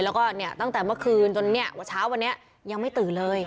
แล้วก็เนี่ยตั้งแต่เมื่อคืนจนเนี่ยว่าเช้าวันนี้ยังไม่ตื่นเลย